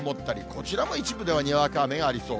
こちらも一部ではにわか雨がありそう。